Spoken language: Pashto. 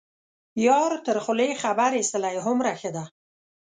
یار تر خولې خبر یستلی هومره ښه ده.